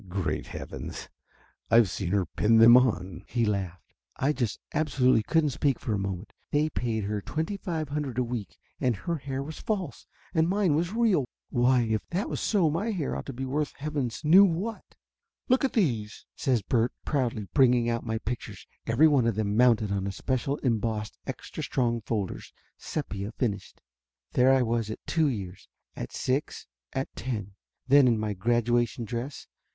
"Great heavens, I've seen her pin them on!" he laughed. I just absolutely couldn't speak for a moment. They paid her twenty five hundred a week and her hair was false, and mine was real! Why, if that was so my hair ought to be worth heavens knew what! 26 Laughter Limited "Look at these!" says Bert proudly bringing out my pictures, every one of them mounted on his special embossed extra strong folders, sepia finished. There I was at two years, at six, at ten. Then in my graduation dress.